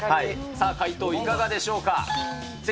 さあ、解答いかがでしょうか。